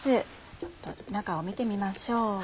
ちょっと中を見てみましょう。